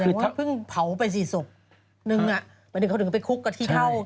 แสดงว่าเพิ่งเผาไปสี่ศพหนึ่งอะเพราะฉะนั้นเขาถึงไปคุกกับที่เท่า